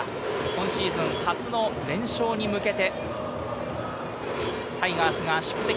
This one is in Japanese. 今シーズン初の連勝に向けて、タイガースが宿敵